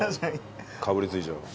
かぶりついちゃう。